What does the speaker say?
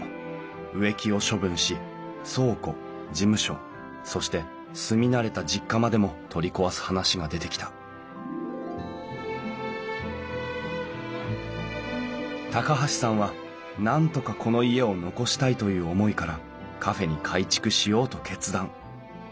植木を処分し倉庫事務所そして住み慣れた実家までも取り壊す話が出てきた高橋さんは何とかこの家を残したいという思いからカフェに改築しようと決断。